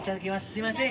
すいません。